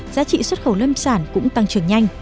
giá trị xuất khẩu lâm sản cũng tăng trưởng nhanh